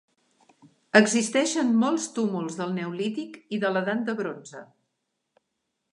Existeixen molts túmuls del Neolític i de l'Edat de Bronze.